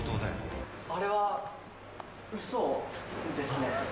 あれは嘘ですね。